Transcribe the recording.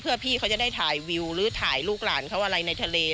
เพื่อพี่เขาจะได้ถ่ายวิวหรือถ่ายลูกหลานเขาอะไรในทะเล